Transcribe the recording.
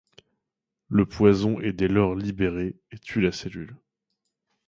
Le poison est dès lors libéré et tue la cellule.